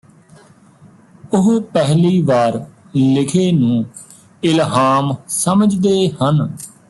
ਉਹ ਪਹਿਲੀ ਵਾਰ ਲਿਖੇ ਨੂੰ ਇਲਹਾਮ ਸਮਝਦੇ ਹਨ